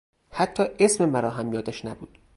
حتی اسم مرا هم یادش نبود!